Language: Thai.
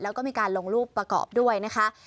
แล้วก็มีการลงรูปประกอบด้วยนะคะ